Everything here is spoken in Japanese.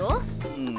うん。